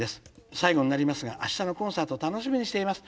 最後になりますが明日のコンサート楽しみにしています。